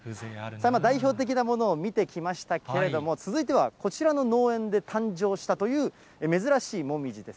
代表的なものを見てきましたけれども、続いてはこちらの農園で誕生したという、珍しいもみじです。